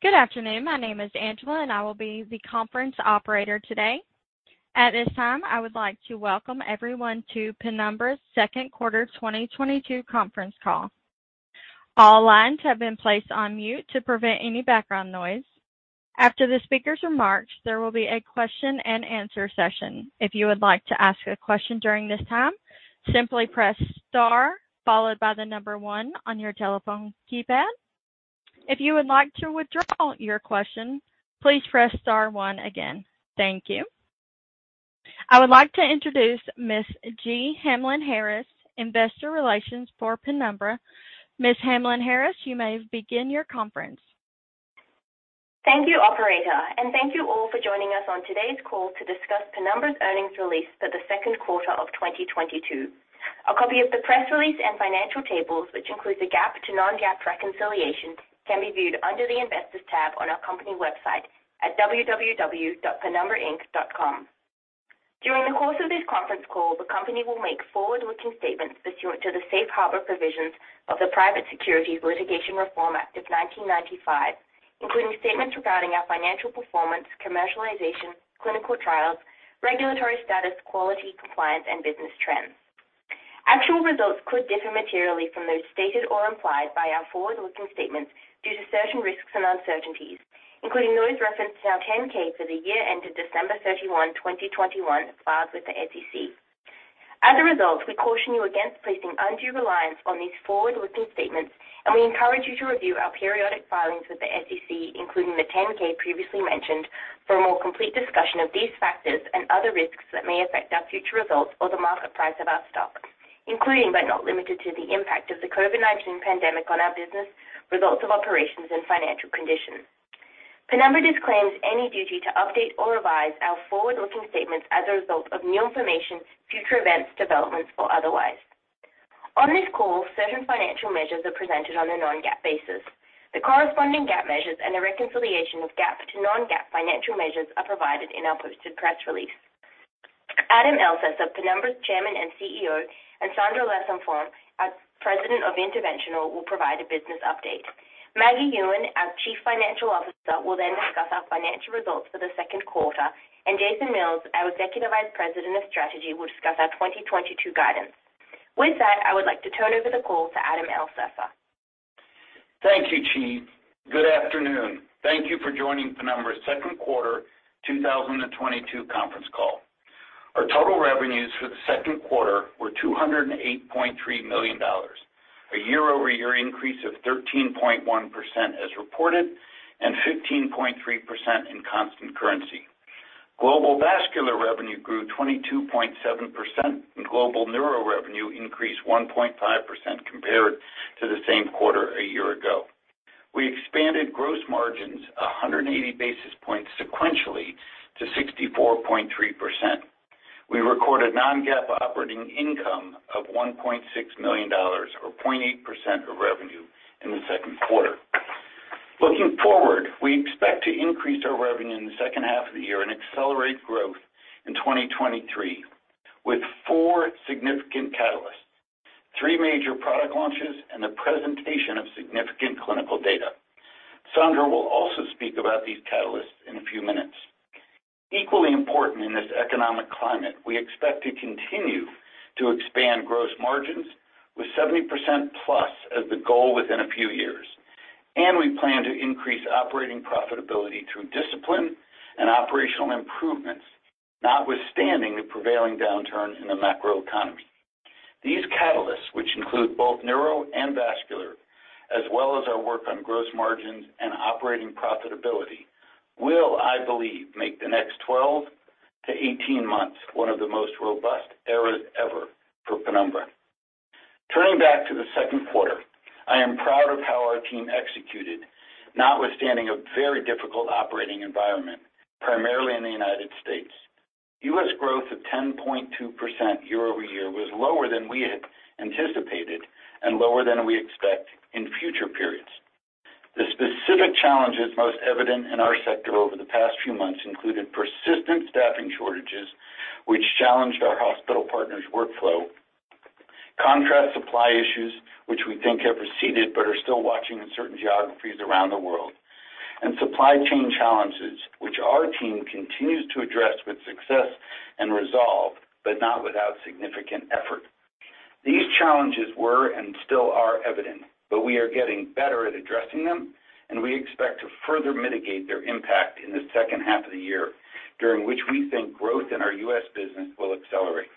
Good afternoon. My name is Angela, and I will be the conference operator today. At this time, I would like to welcome everyone to Penumbra's second quarter 2022 conference call. All lines have been placed on mute to prevent any background noise. After the speaker's remarks, there will be a question-and-answer session. If you would like to ask a question during this time, simply press star followed by the number one on your telephone keypad. If you would like to withdraw your question, please press star one again. Thank you. I would like to introduce Miss Jee Hamlyn-Harris, Investor Relations for Penumbra. Miss Jee Hamlyn-Harris, you may begin your conference. Thank you, operator, and thank you all for joining us on today's call to discuss Penumbra's earnings release for the second quarter of 2022. A copy of the press release and financial tables, which includes a GAAP to non-GAAP reconciliation, can be viewed under the Investors tab on our company website at www.penumbrainc.com. During the course of this conference call, the company will make forward-looking statements pursuant to the safe harbor provisions of the Private Securities Litigation Reform Act of 1995, including statements regarding our financial performance, commercialization, clinical trials, regulatory status, quality, compliance, and business trends. Actual results could differ materially from those stated or implied by our forward-looking statements due to certain risks and uncertainties, including those referenced in our 10-K for the year ended December 31, 2021, filed with the SEC. As a result, we caution you against placing undue reliance on these forward-looking statements, and we encourage you to review our periodic filings with the SEC, including the 10-K previously mentioned, for a more complete discussion of these factors and other risks that may affect our future results or the market price of our stock, including but not limited to the impact of the COVID-19 pandemic on our business, results of operations, and financial conditions. Penumbra disclaims any duty to update or revise our forward-looking statements as a result of new information, future events, developments, or otherwise. On this call, certain financial measures are presented on a non-GAAP basis. The corresponding GAAP measures and the reconciliation of GAAP to non-GAAP financial measures are provided in our posted press release. Adam Elsesser, Penumbra's Chairman and CEO, and Sandra Lesenfants, our President of Interventional, will provide a business update. Maggie Yuen, our Chief Financial Officer, will then discuss our financial results for the second quarter. Jason Mills, our Executive Vice President of Strategy, will discuss our 2022 guidance. With that, I would like to turn over the call to Adam Elsesser. Thank you, chief. Good afternoon. Thank you for joining Penumbra's second quarter 2022 conference call. Our total revenues for the second quarter were $208.3 million, a year-over-year increase of 13.1% as reported and 15.3% in constant currency. Global vascular revenue grew 22.7%, and global neuro revenue increased 1.5% compared to the same quarter a year ago. We expanded gross margins 180 basis points sequentially to 64.3%. We recorded non-GAAP operating income of $1.6 million or 0.8% of revenue in the second quarter. Looking forward, we expect to increase our revenue in the second half of the year and accelerate growth in 2023 with four significant catalysts, three major product launches, and the presentation of significant clinical data. Sandra will also speak about these catalysts in a few minutes. Equally important in this economic climate, we expect to continue to expand gross margins with 70%+ as the goal within a few years. We plan to increase operating profitability through discipline and operational improvements, notwithstanding the prevailing downturn in the macro economy. These catalysts, which include both neuro and vascular, as well as our work on gross margins and operating profitability, will, I believe, make the next 12-18 months one of the most robust eras ever for Penumbra. Turning back to the second quarter, I am proud of how our team executed notwithstanding a very difficult operating environment, primarily in the United States. U.S. growth of 10.2% year-over-year was lower than we had anticipated and lower than we expect in future periods. The specific challenges most evident in our sector over the past few months included persistent staffing shortages, which challenged our hospital partners' workflow. Contrast supply issues, which we think have receded but are still watching in certain geographies around the world. Supply chain challenges, which our team continues to address with success and resolve, but not without significant effort. These challenges were and still are evident, but we are getting better at addressing them, and we expect to further mitigate their impact in the second half of the year, during which we think growth in our U.S. business will accelerate.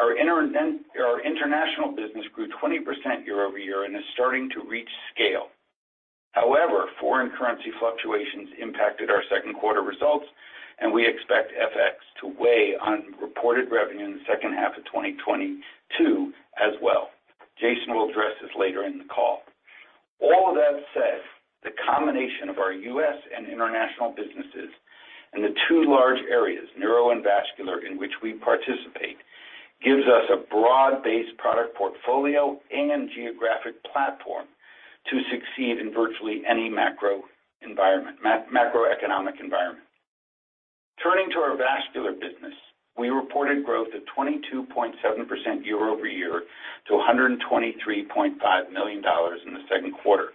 Our international business grew 20% year-over-year and is starting to reach scale. However, foreign currency fluctuations impacted our second quarter results, and we expect FX to weigh on reported revenue in the second half of 2022 as well. Jason will address this later in the call. All that said, the combination of our U.S. and international businesses and the two large areas, neuro and vascular, in which we participate, gives us a broad-based product portfolio and geographic platform to succeed in virtually any macroeconomic environment. Turning to our vascular business. We reported growth of 22.7% year-over-year to $123.5 million in the second quarter.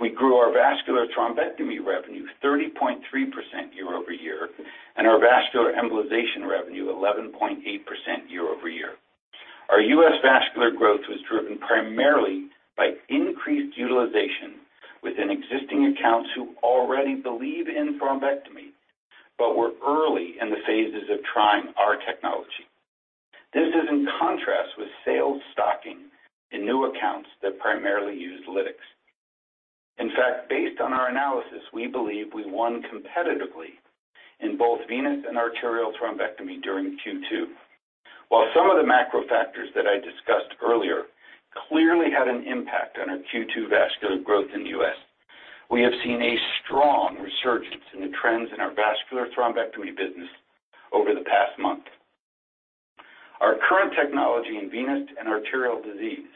We grew our vascular thrombectomy revenue 30.3% year-over-year, and our vascular embolization revenue 11.8% year-over-year. Our U.S. vascular growth was driven primarily by increased utilization within existing accounts who already believe in thrombectomy, but were early in the phases of trying our technology. This is in contrast with sales stocking in new accounts that primarily use Lytics. In fact, based on our analysis, we believe we won competitively in both venous and arterial thrombectomy during Q2. While some of the macro factors that I discussed earlier clearly had an impact on our Q2 vascular growth in the U.S., we have seen a strong resurgence in the trends in our vascular thrombectomy business over the past month. Our current technology in venous and arterial disease,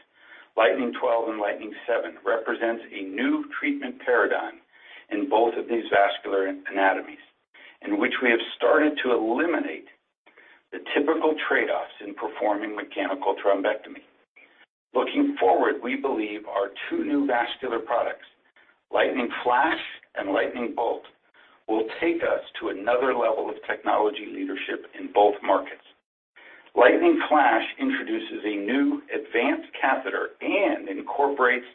Lightning 12 and Lightning 7, represents a new treatment paradigm in both of these vascular anatomies in which we have started to eliminate the typical trade-offs in performing mechanical thrombectomy. Looking forward, we believe our two new vascular products, Lightning Flash and Lightning Bolt, will take us to another level of technology leadership in both markets. Lightning Flash introduces a new advanced catheter and incorporates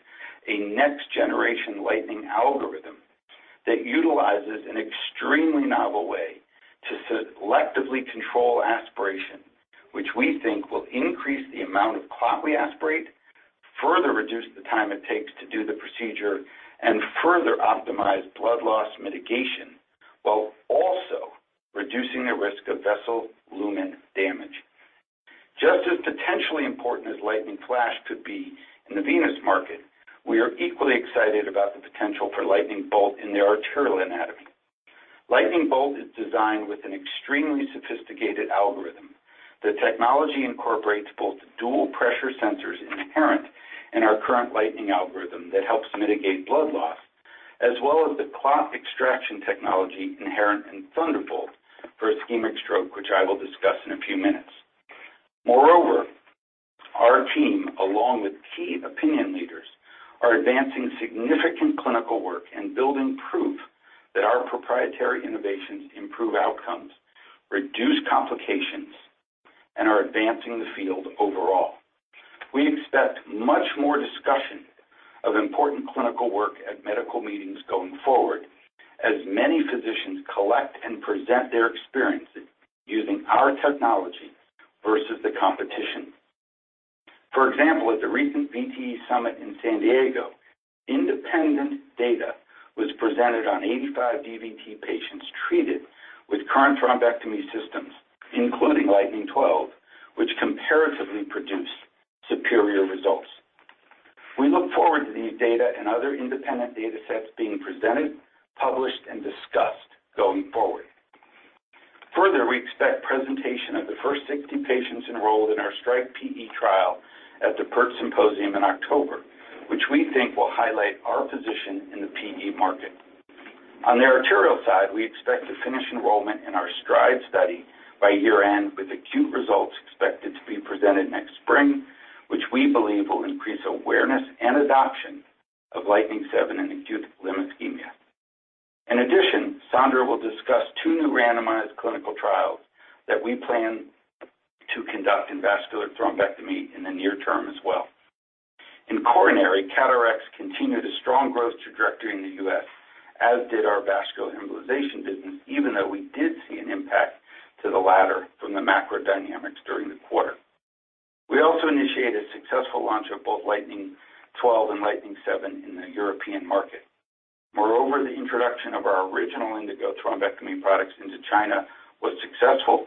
a next-generation Lightning algorithm that utilizes an extremely novel way to selectively control aspiration, which we think will increase the amount of clot we aspirate, further reduce the time it takes to do the procedure, and further optimize blood loss mitigation while also reducing the risk of vessel lumen damage. Just as potentially important as Lightning Flash could be in the venous market, we are equally excited about the potential for Lightning Bolt in the arterial anatomy. Lightning Bolt is designed with an extremely sophisticated algorithm. The technology incorporates both dual pressure sensors inherent in our current Lightning algorithm that helps mitigate blood loss, as well as the clot extraction technology inherent in Thunderbolt for ischemic stroke, which I will discuss in a few minutes. Moreover, our team, along with key opinion leaders, are advancing significant clinical work and building proof that our proprietary innovations improve outcomes, reduce complications, and are advancing the field overall. We expect much more discussion of important clinical work at medical meetings going forward as many physicians collect and present their experiences using our technology versus the competition. For example, at the recent VTE Summit in San Diego, independent data was presented on 85 DVT patients treated with current thrombectomy systems, including Lightning 12, which comparatively produced superior results. We look forward to these data and other independent data sets being presented, published, and discussed going forward. Further, we expect presentation of the first 60 patients enrolled in our STRIKE-PE trial at the PERT Symposium in October, which we think will highlight our position in the PE market. On the arterial side, we expect to finish enrollment in our STRIDE study by year-end with acute results expected to be presented next spring, which we believe will increase awareness and adoption of Lightning 7 in acute limb ischemia. In addition, Sandra will discuss two new randomized clinical trials that we plan to conduct in vascular thrombectomy in the near term as well. In coronary, CAT RX continued a strong growth trajectory in the U.S., as did our vascular embolization business, even though we did see an impact to the latter from the macro dynamics during the quarter. We also initiated successful launch of both Lightning 12 and Lightning 7 in the European market. Moreover, the introduction of our original Indigo thrombectomy products into China was successful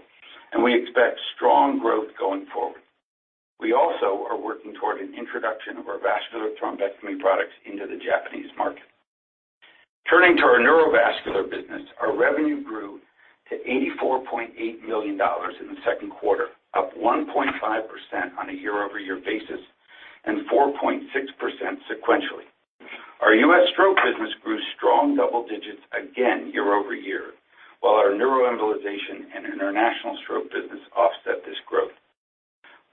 and we expect strong growth going forward. We also are working toward an introduction of our vascular thrombectomy products into the Japanese market. Turning to our neurovascular business, our revenue grew to $84.8 million in the second quarter, up 1.5% on a year-over-year basis and 4.6% sequentially. Our U.S. stroke business grew strong double digits again year-over-year, while our neuro embolization and international stroke business offset this growth.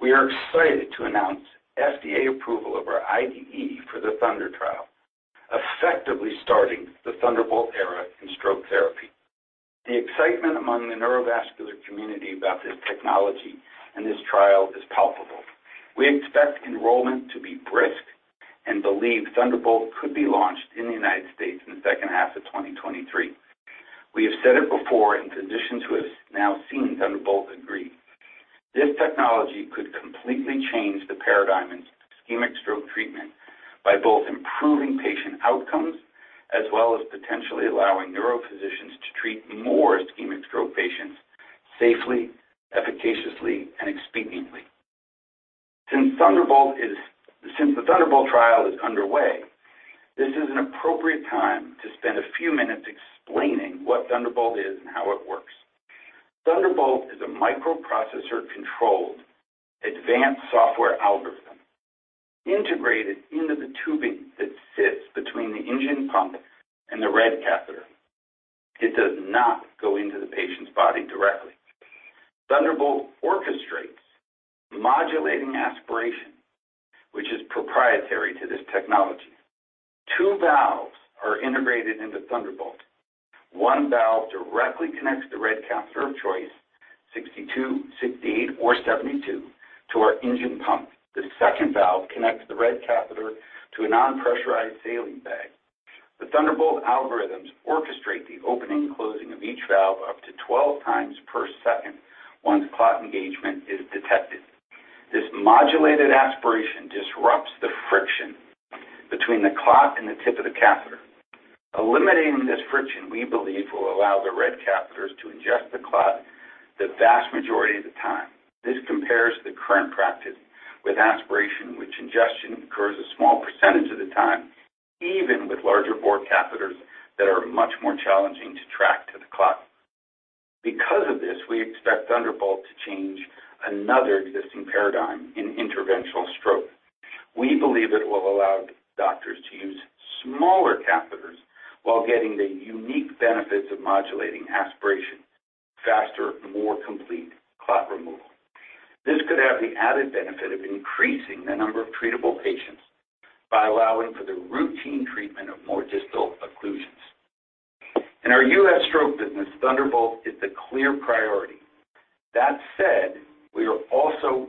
We are excited to announce FDA approval of our IDE for the THUNDER trial, effectively starting the Thunderbolt era in stroke therapy. The excitement among the neurovascular community about this technology and this trial is palpable. We expect enrollment to be brisk and believe Thunderbolt could be launched in the United States in the second half of 2023. We have said it before, and physicians who have now seen Thunderbolt agree. This technology could completely change the paradigm in ischemic stroke treatment by both improving patient outcomes, as well as potentially allowing neuro physicians to treat more ischemic stroke patients safely, efficaciously, and expediently. Since the Thunderbolt trial is underway, this is an appropriate time to spend a few minutes explaining what Thunderbolt is and how it works. Thunderbolt is a microprocessor-controlled advanced software algorithm integrated into the tubing that sits between the engine pump and the RED catheter. It does not go into the patient's body directly. Thunderbolt orchestrates modulating aspiration, which is proprietary to this technology. Two valves are integrated into Thunderbolt. One valve directly connects the RED catheter of choice, 62, 68, or 72 to our engine pump. The second valve connects the RED catheter to a non-pressurized saline bag. The Thunderbolt algorithms orchestrate the opening and closing of each valve up to 12 times per second once clot engagement is detected. This modulated aspiration disrupts the friction between the clot and the tip of the catheter. Eliminating this friction, we believe, will allow the RED catheters to ingest the clot the vast majority of the time. This compares to the current practice with aspiration, in which ingestion occurs a small percentage of the time, even with larger bore catheters that are much more challenging to track to the clot. Because of this, we expect Thunderbolt to change another existing paradigm in interventional stroke. We believe it will allow doctors to use smaller catheters while getting the unique benefits of modulating aspiration, faster and more complete clot removal. This could have the added benefit of increasing the number of treatable patients by allowing for the routine treatment of more distal occlusions. In our U.S. stroke business, Thunderbolt is the clear priority. That said, we also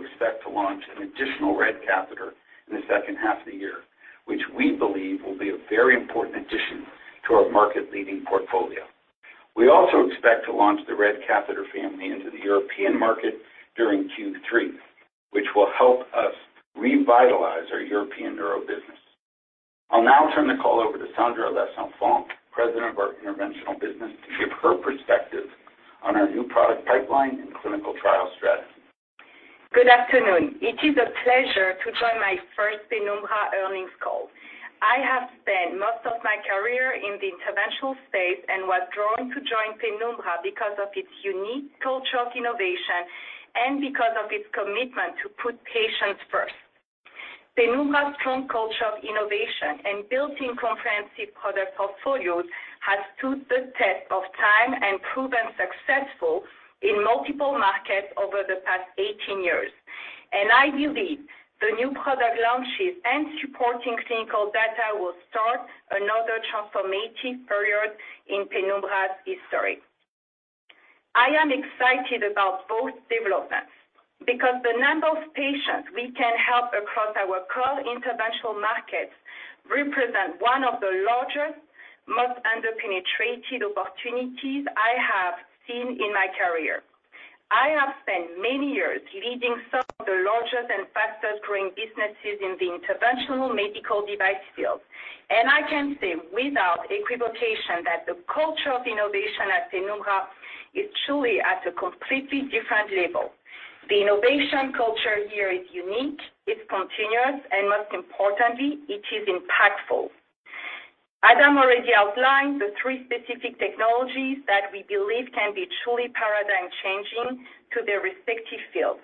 expect to launch an additional RED catheter in the second half of the year, which we believe will be a very important addition to our market-leading portfolio. We also expect to launch the RED catheter family into the European market during Q3, which will help us revitalize our European neuro business. I'll now turn the call over to Sandra Lesenfants, President of our Interventional business, to give her perspective on our new product pipeline and clinical trial strategy. Good afternoon. It is a pleasure to join my first Penumbra earnings call. I have spent most of my career in the interventional space and was drawn to join Penumbra because of its unique culture of innovation and because of its commitment to put patients first. Penumbra's strong culture of innovation and built-in comprehensive product portfolios has stood the test of time and proven successful in multiple markets over the past 18 years. I believe the new product launches and supporting clinical data will start another transformative period in Penumbra's history. I am excited about both developments because the number of patients we can help across our core interventional markets represent one of the largest, most under-penetrated opportunities I have seen in my career. I have spent many years leading some of the largest and fastest-growing businesses in the interventional medical device field. I can say without equivocation that the culture of innovation at Penumbra is truly at a completely different level. The innovation culture here is unique, it's continuous, and most importantly, it is impactful. Adam already outlined the three specific technologies that we believe can be truly paradigm-changing to their respective fields.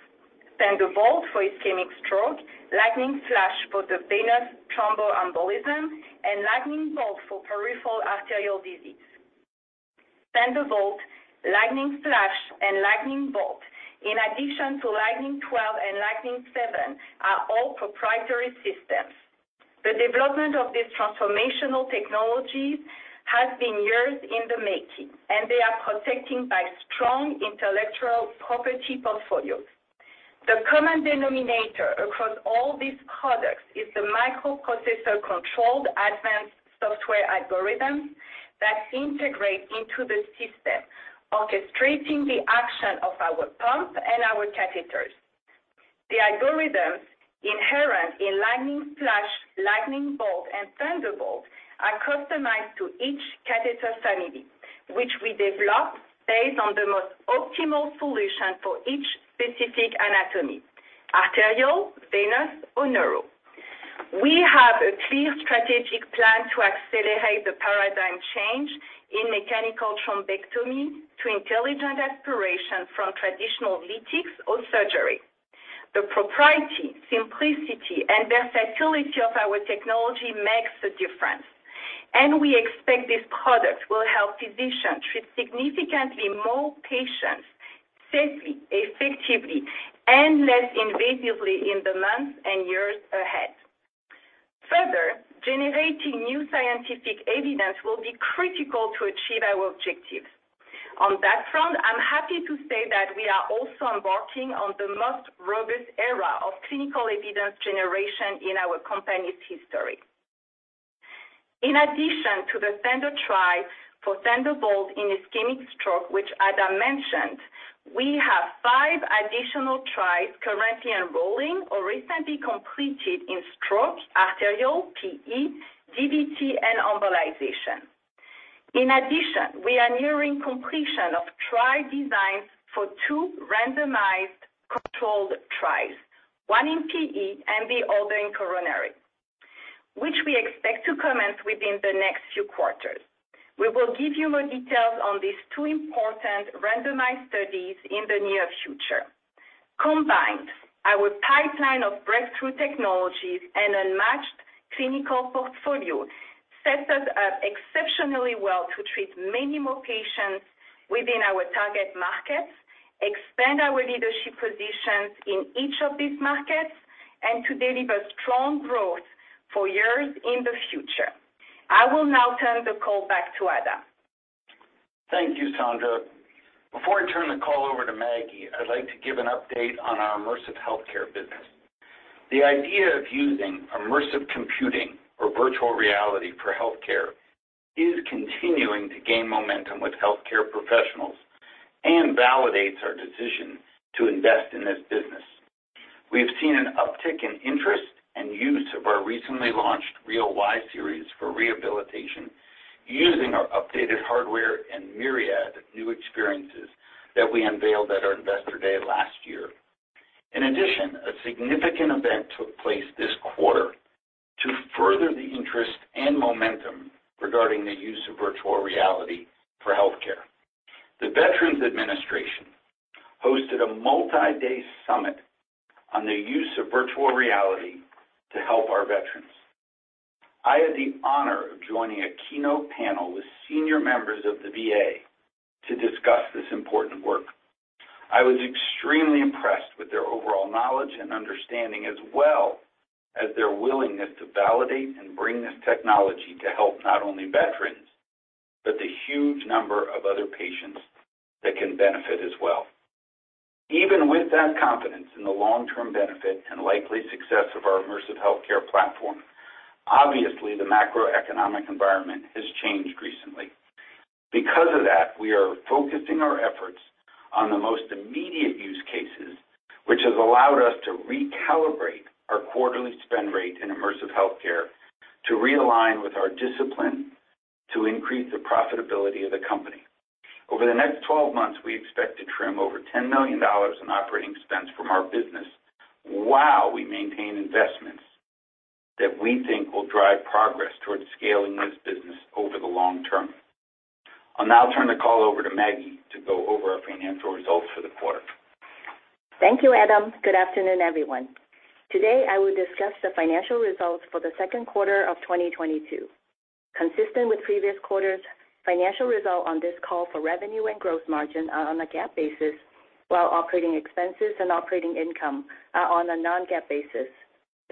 Thunderbolt for ischemic stroke, Lightning Flash for the venous thromboembolism, and Lightning Bolt for peripheral arterial disease. Thunderbolt, Lightning Flash, and Lightning Bolt, in addition to Lightning 12 and Lightning 7, are all proprietary systems. The development of these transformational technologies has been years in the making, and they are protected by strong intellectual property portfolios. The common denominator across all these products is the microprocessor-controlled advanced software algorithms that integrate into the system, orchestrating the action of our pump and our catheters. The algorithms inherent in Lightning Flash, Lightning Bolt, and Thunderbolt are customized to each catheter family, which we developed based on the most optimal solution for each specific anatomy, arterial, venous, or neural. We have a clear strategic plan to accelerate the paradigm change in mechanical thrombectomy to intelligent aspiration from traditional Lytics or surgery. The proprietary, simplicity, and versatility of our technology makes a difference, and we expect these products will help physicians treat significantly more patients safely, effectively, and less invasively in the months and years ahead. Further, generating new scientific evidence will be critical to achieve our objectives. On that front, I'm happy to say that we are also embarking on the most robust era of clinical evidence generation in our company's history. In addition to the THUNDER trial for Thunderbolt in ischemic stroke, which Adam mentioned, we have five additional trials currently enrolling or recently completed in stroke, arterial, PE, DVT, and embolization. In addition, we are nearing completion of trial designs for two randomized controlled trials, one in PE and the other in coronary, which we expect to commence within the next few quarters. We will give you more details on these two important randomized studies in the near future. Combined, our pipeline of breakthrough technologies and unmatched clinical portfolio sets us up exceptionally well to treat many more patients within our target markets, expand our leadership positions in each of these markets, and to deliver strong growth for years in the future. I will now turn the call back to Adam. Thank you, Sandra. Before I turn the call over to Maggie, I'd like to give an update on our immersive healthcare business. The idea of using immersive computing or virtual reality for healthcare is continuing to gain momentum with healthcare professionals and validates our decision to invest in this business. We've seen an uptick in interest and use of our recently launched REAL y-Series for rehabilitation using our updated hardware and myriad of new experiences that we unveiled at our Investor Day last year. In addition, a significant event took place this quarter to further the interest and momentum regarding the use of virtual reality for healthcare. The Department of Veterans Affairs hosted a multi-day summit on the use of virtual reality to help our veterans. I had the honor of joining a keynote panel with senior members of the VA to discuss this important work. I was extremely impressed with their overall knowledge and understanding as well as their willingness to validate and bring this technology to help not only veterans, but the huge number of other patients that can benefit as well. Even with that confidence in the long-term benefit and likely success of our immersive healthcare platform, obviously the macroeconomic environment has changed recently. Because of that, we are focusing our efforts on the most immediate use cases, which has allowed us to recalibrate our quarterly spend rate in immersive healthcare to realign with our discipline to increase the profitability of the company. Over the next 12 months, we expect to trim over $10 million in operating expense from our business while we maintain investments that we think will drive progress towards scaling this business over the long term. I'll now turn the call over to Maggie to go over our financial results for the quarter. Thank you, Adam. Good afternoon, everyone. Today, I will discuss the financial results for the second quarter of 2022. Consistent with previous quarters, financial results on this call for revenue and gross margin are on a GAAP basis, while operating expenses and operating income are on a non-GAAP basis.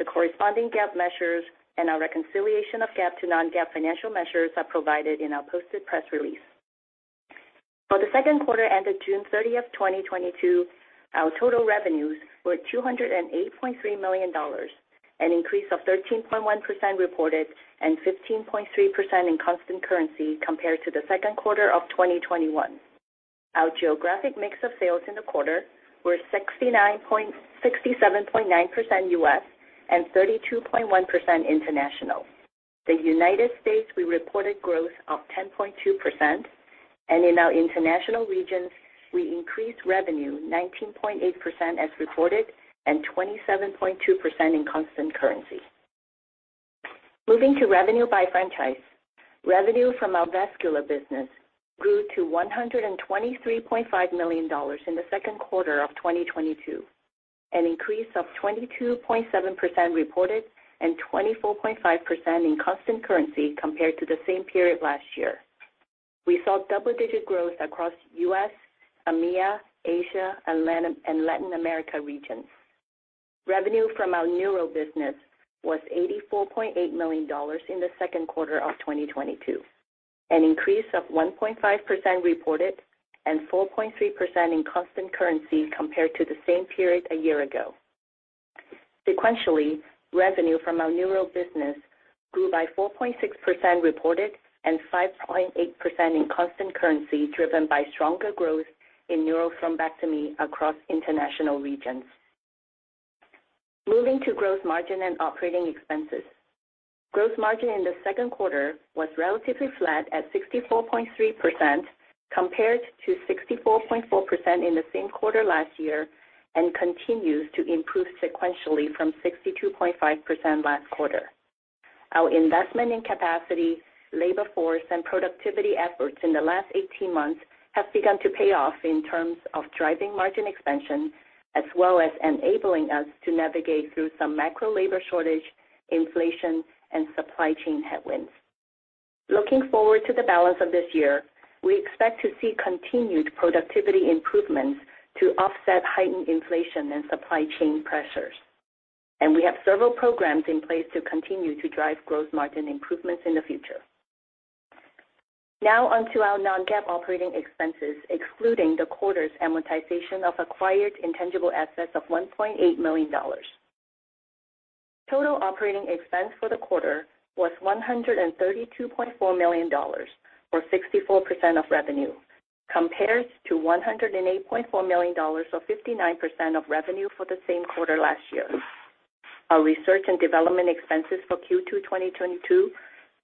The corresponding GAAP measures and our reconciliation of GAAP to non-GAAP financial measures are provided in our posted press release. For the second quarter ended June 30, 2022, our total revenues were $208.3 million, an increase of 13.1% reported and 15.3% in constant currency compared to the second quarter of 2021. Our geographic mix of sales in the quarter were 67.9% U.S. and 32.1% international. the United States, we reported growth of 10.2%, and in our international regions, we increased revenue 19.8% as reported and 27.2% in constant currency. Moving to revenue by franchise. Revenue from our vascular business grew to $123.5 million in the second quarter of 2022, an increase of 22.7% reported and 24.5% in constant currency compared to the same period last year. We saw double-digit growth across U.S., EMEA, Asia, and Latin America regions. Revenue from our neuro business was $84.8 million in the second quarter of 2022, an increase of 1.5% reported and 4.3% in constant currency compared to the same period a year ago. Sequentially, revenue from our neuro business grew by 4.6% reported and 5.8% in constant currency, driven by stronger growth in neuro thrombectomy across international regions. Moving to gross margin and operating expenses. Gross margin in the second quarter was relatively flat at 64.3% compared to 64.4% in the same quarter last year, and continues to improve sequentially from 62.5% last quarter. Our investment in capacity, labor force, and productivity efforts in the last 18 months have begun to pay off in terms of driving margin expansion as well as enabling us to navigate through some macro labor shortage, inflation, and supply chain headwinds. Looking forward to the balance of this year, we expect to see continued productivity improvements to offset heightened inflation and supply chain pressures. We have several programs in place to continue to drive gross margin improvements in the future. Now onto our non-GAAP operating expenses, excluding the quarter's amortization of acquired intangible assets of $1.8 million. Total operating expense for the quarter was $132.4 million, or 64% of revenue, compares to $108.4 million, or 59% of revenue for the same quarter last year. Our research and development expenses for Q2 2022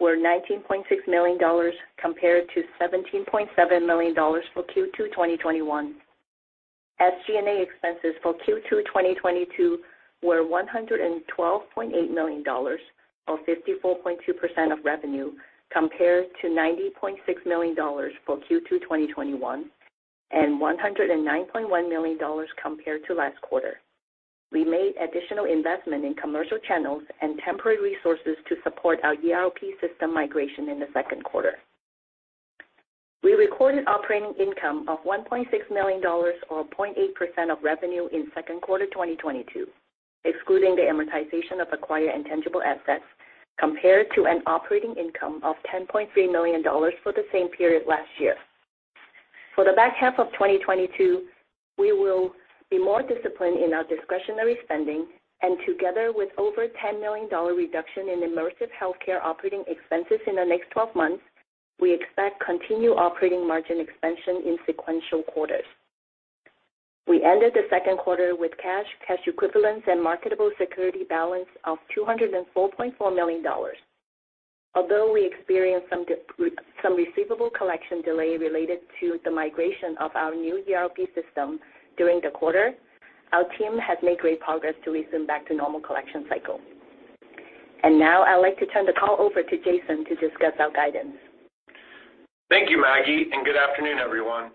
were $19.6 million compared to $17.7 million for Q2 2021. SG&A expenses for Q2 2022 were $112.8 million, or 54.2% of revenue, compared to $90.6 million for Q2 2021, and $109.1 million compared to last quarter. We made additional investment in commercial channels and temporary resources to support our ERP system migration in the second quarter. We recorded operating income of $1.6 million or 0.8% of revenue in second quarter 2022, excluding the amortization of acquired intangible assets compared to an operating income of $10.3 million for the same period last year. For the back half of 2022, we will be more disciplined in our discretionary spending and together with over $10 million-dollar reduction in immersive healthcare operating expenses in the next twelve months, we expect continued operating margin expansion in sequential quarters. We ended the second quarter with cash equivalents, and marketable security balance of $204.4 million. Although we experienced some receivable collection delay related to the migration of our new ERP system during the quarter, our team has made great progress to resume back to normal collection cycle. Now, I'd like to turn the call over to Jason to discuss our guidance. Thank you, Maggie, and good afternoon, everyone.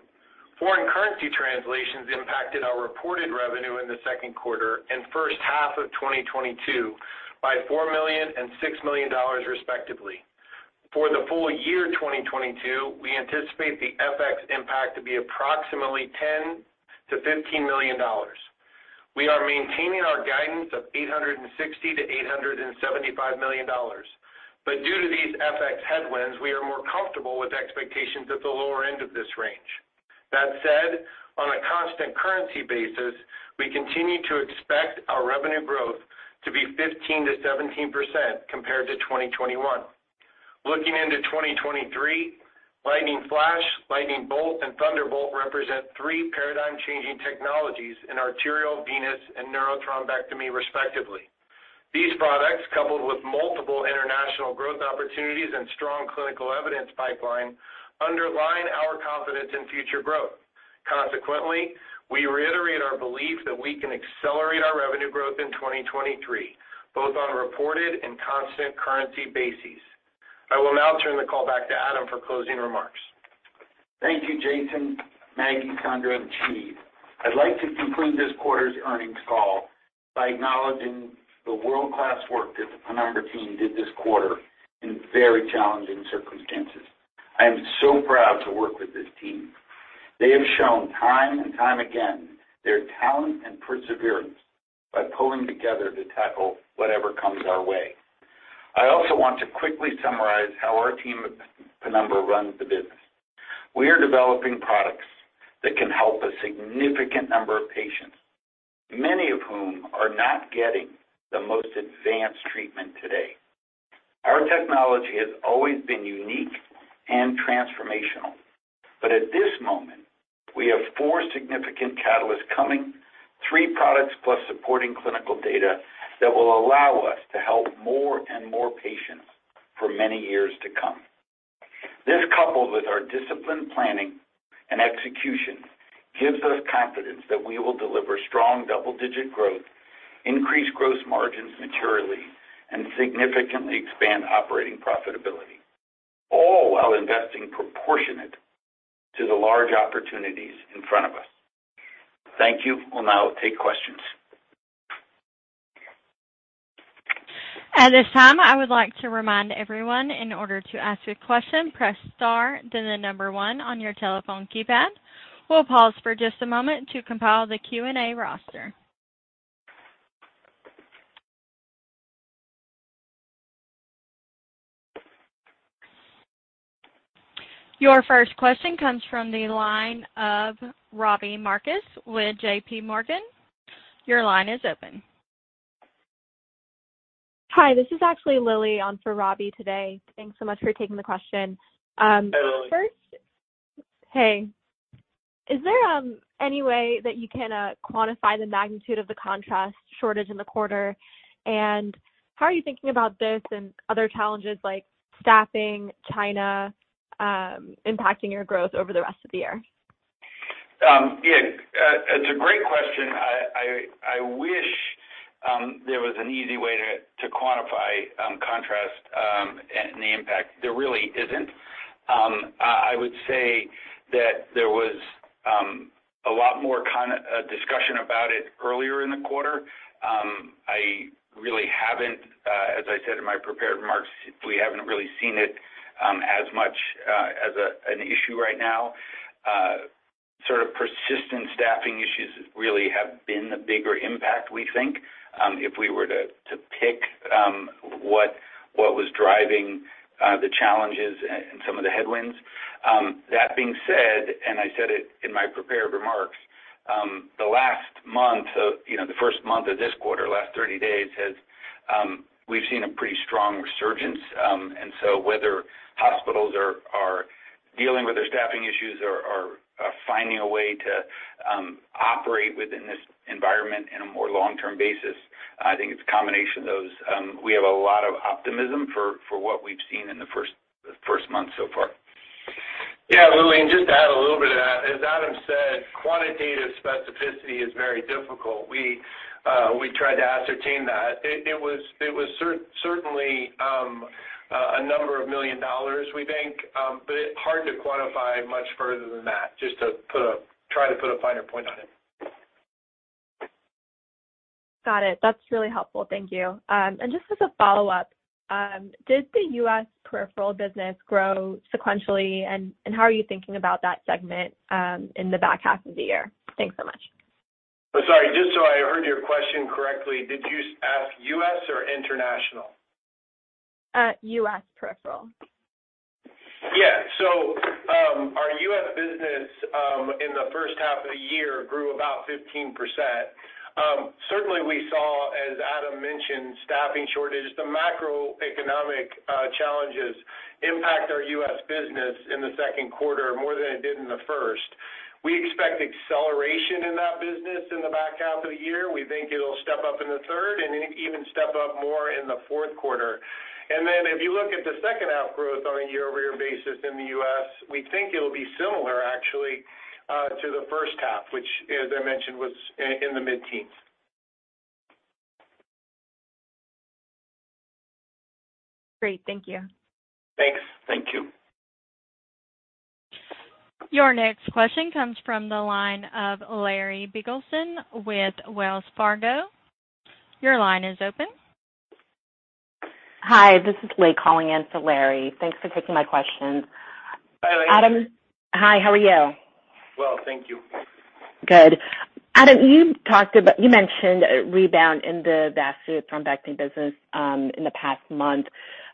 Foreign currency translations impacted our reported revenue in the second quarter and first half of 2022 by $4 million and $6 million respectively. For the full year 2022, we anticipate the FX impact to be approximately $10 million-$15 million. We are maintaining our guidance of $860 million-$875 million. Due to these FX headwinds, we are more comfortable with expectations at the lower end of this range. That said, on a constant currency basis, we continue to expect our revenue growth to be 15%-17% compared to 2021. Looking into 2023, Lightning Flash, Lightning Bolt, and Thunderbolt represent three paradigm-changing technologies in arterial, venous, and neurothrombectomy respectively. These products, coupled with multiple international growth opportunities and strong clinical evidence pipeline, underline our confidence in future growth. Consequently, we reiterate our belief that we can accelerate our revenue growth in 2023, both on a reported and constant currency basis. I will now turn the call back to Adam for closing remarks. Thank you, Jason, Maggie, Sandra, and team. I'd like to conclude this quarter's earnings call by acknowledging the world-class work that the Penumbra team did this quarter in very challenging circumstances. I am so proud to work with this team. They have shown time and time again their talent and perseverance by pulling together to tackle whatever comes our way. I also want to quickly summarize how our team at Penumbra runs the business. We are developing products that can help a significant number of patients, many of whom are not getting the most advanced treatment today. Our technology has always been unique and transformational. At this moment, we have four significant catalysts coming, three products plus supporting clinical data that will allow us to help more and more patients for many years to come. This, coupled with our disciplined planning and execution, gives us confidence that we will deliver strong double-digit growth, increase gross margins materially, and significantly expand operating profitability, all while investing proportionate to the large opportunities in front of us. Thank you. We'll now take questions. At this time, I would like to remind everyone in order to ask a question, press star then the number one on your telephone keypad. We'll pause for just a moment to compile the Q&A roster. Your first question comes from the line of Robbie Marcus with JPMorgan. Your line is open. Hi. This is actually Lilly on for Robbie today. Thanks so much for taking the question. Hey, Lilly. Is there any way that you can quantify the magnitude of the contrast shortage in the quarter? How are you thinking about this and other challenges like staffing China impacting your growth over the rest of the year? Yeah, it's a great question. I wish there was an easy way to quantify contrast and the impact. There really isn't. I would say that there was a lot more discussion about it earlier in the quarter. I really haven't, as I said in my prepared remarks, we haven't really seen it as much as an issue right now. Sort of persistent staffing issues really have been the bigger impact, we think, if we were to pick what was driving the challenges and some of the headwinds. That being said, and I said it in my prepared remarks, the last month of, you know, the first month of this quarter, last 30 days has. We've seen a pretty strong resurgence. Whether hospitals are dealing with their staffing issues or finding a way to operate within this environment in a more long-term basis, I think it's a combination of those. We have a lot of optimism for what we've seen in the first month so far. Yeah, Lillian, just to add a little bit of that. As Adam said, quantitative specificity is very difficult. We tried to ascertain that. It was certainly a number of million dollars, we think, but it's hard to quantify much further than that, just try to put a finer point on it. Got it. That's really helpful. Thank you. Just as a follow-up, did the U.S. peripheral business grow sequentially? How are you thinking about that segment in the back half of the year? Thanks so much. Sorry, just so I heard your question correctly, did you ask U.S. or international? U.S. peripheral. Yeah. Our U.S. business in the first half of the year grew about 15%. Certainly we saw, as Adam mentioned, staffing shortages. The macroeconomic challenges impact our U.S. business in the second quarter more than it did in the first. We expect acceleration in that business in the back half of the year. We think it'll step up in the third and even step up more in the fourth quarter. If you look at the second half growth on a year-over-year basis in the U.S., we think it will be similar actually to the first half, which as I mentioned, was in the mid-teens. Great. Thank you. Thanks. Thank you. Your next question comes from the line of Larry Biegelsen with Wells Fargo. Your line is open. Hi, this is Leigh calling in for Larry. Thanks for taking my questions. Hi, Leigh. Adam. Hi, how are you? Well, thank you. Good. Adam, you mentioned a rebound in the vascular thrombectomy business in the past month.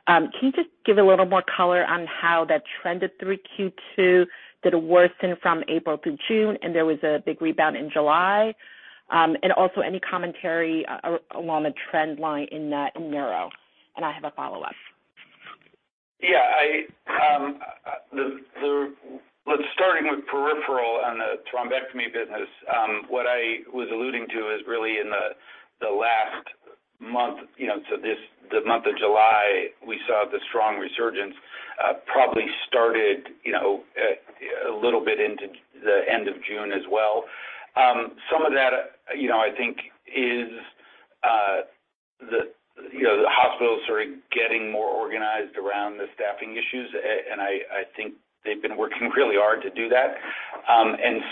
Can you just give a little more color on how that trended through Q2, did it worsen from April through June, and there was a big rebound in July? And also any commentary along the trend line in that, in neuro. I have a follow-up. Yeah. Let's start with peripheral and the thrombectomy business. What I was alluding to is really in the last month, you know, so this, the month of July, we saw the strong resurgence, probably started, you know, a little bit into the end of June as well. Some of that, you know, I think is the, you know, the hospitals are getting more organized around the staffing issues, and I think they've been working really hard to do that.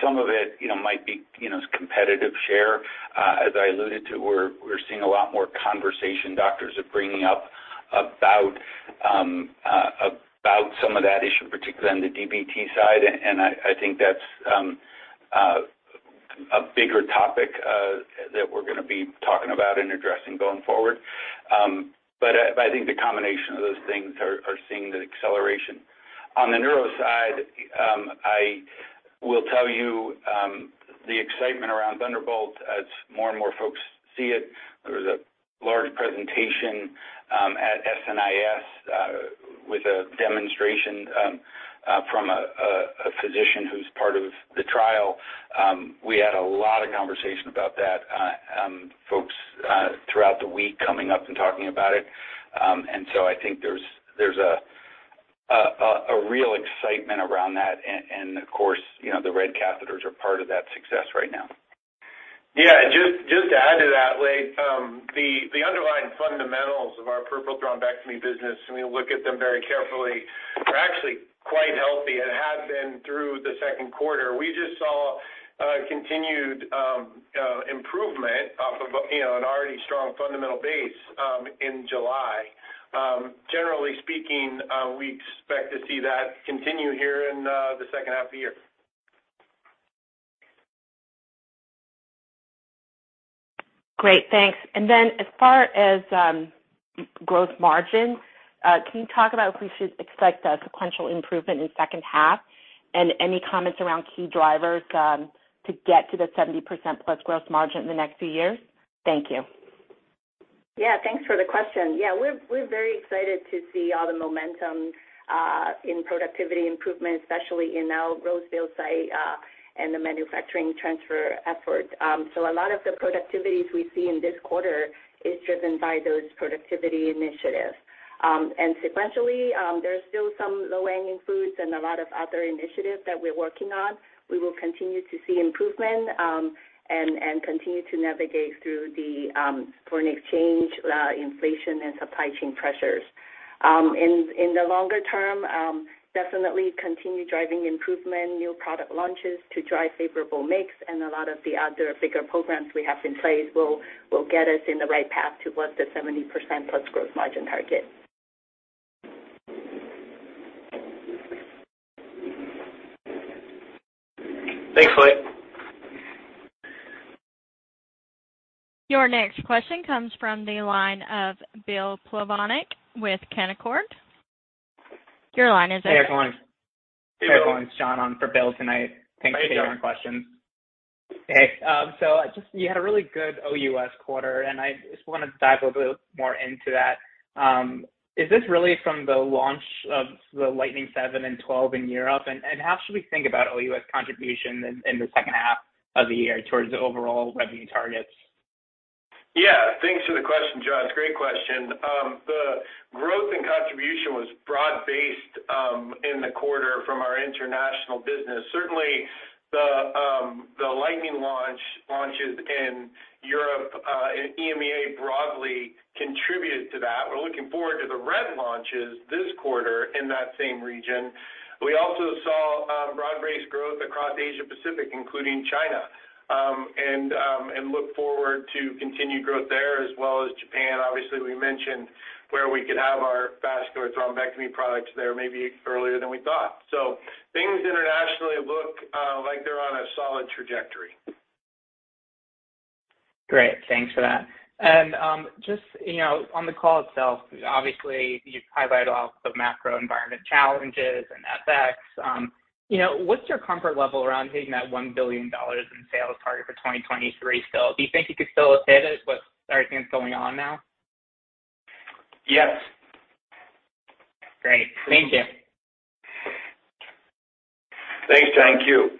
Some of it, you know, might be, you know, competitive share. As I alluded to, we're seeing a lot more conversations doctors are bringing up about some of that issue, particularly on the DVT side. I think that's a bigger topic that we're going to be talking about and addressing going forward. I think the combination of those things are seeing the acceleration. On the neuro side, I will tell you, the excitement around Thunderbolt as more and more folks see it. There was a large presentation at SNIS with a demonstration from a physician who's part of the trial. We had a lot of conversation about that, folks throughout the week coming up and talking about it. I think there's a real excitement around that. Of course, you know, the RED catheters are part of that success right now. Yeah. Just to add to that, Leigh. The underlying fundamentals of our peripheral thrombectomy business, and we look at them very carefully, are actually quite healthy and have been through the second quarter. We just saw continued improvement off of, you know, an already strong fundamental base, in July. Generally speaking, we expect to see that continue here in the second half of the year. Great, thanks. Then as far as growth margin, can you talk about if we should expect a sequential improvement in second half? Any comments around key drivers to get to the 70%+ gross margin in the next few years? Thank you. Yeah, thanks for the question. Yeah, we're very excited to see all the momentum in productivity improvement, especially in our Roseville site, and the manufacturing transfer effort. A lot of the productivities we see in this quarter is driven by those productivity initiatives. Sequentially, there are still some low-hanging fruits and a lot of other initiatives that we're working on. We will continue to see improvement, and continue to navigate through the foreign exchange, inflation and supply chain pressures. In the longer term, definitely continue driving improvement, new product launches to drive favorable mix. A lot of the other bigger programs we have in place will get us in the right path towards the 70%+ gross margin target. Thanks, Leigh. Your next question comes from the line of Bill Plovanic with Canaccord. Your line is open. Hey, everyone. Hello. Hey, everyone. It's John on for Bill tonight. How are you doing? Thanks for taking my questions. Hey, so just you had a really good OUS quarter, and I just want to dive a little bit more into that. Is this really from the launch of the Lightning 7 and 12 in Europe? And how should we think about OUS contribution in the second half of the year towards the overall revenue targets? Yeah, thanks for the question, John. It's a great question. The growth and contribution was broad-based in the quarter from our international business. Certainly, the Lightning launches in Europe and EMEA broadly contributed to that. We're looking forward to the RED launches this quarter in that same region. We also saw broad-based growth across Asia Pacific, including China, and look forward to continued growth there as well as Japan. Obviously, we mentioned where we could have our vascular thrombectomy products there maybe earlier than we thought. Things internationally look like they're on a solid trajectory. Great. Thanks for that. Just, you know, on the call itself, obviously, you've highlighted all the macro environment challenges and FX. You know, what's your comfort level around hitting that $1 billion in sales target for 2023 still? Do you think you could still hit it with everything that's going on now? Yes. Great. Thank you. Thanks, John. Thank you.